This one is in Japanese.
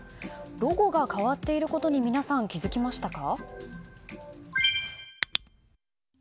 ロゴが変わっていることに皆さん気づきましたか？